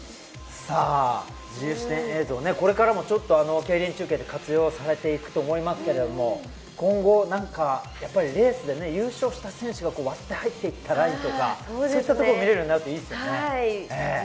自由視点映像、これからもうちょっと競輪中継で活用されていくと思いますけれど、今後、何かレースで優勝した選手が割って入っていたラインとか、そういったところ見れるようになるといいですね。